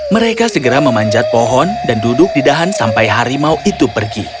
mereka segera memanjat pohon dan duduk di dahan sampai harimau itu pergi